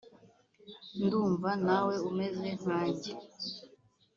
ndumva nawe umeze nkange